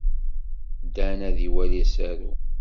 Dan ad iwali asaru.